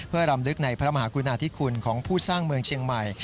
เพื่อรำลึกในพระมหากุณาธิคุณของผู้สร้างเมืองเชียงใหม่